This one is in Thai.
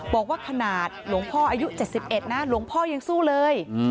บอกว่าขนาดหลวงพ่ออายุ๗๑นะหลวงพ่อยังสู้เลย